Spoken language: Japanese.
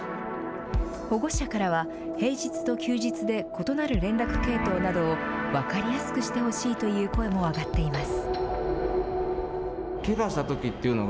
保護者からは、平日と休日で異なる連絡系統などを、分かりやすくしてほしいという声も上がっています。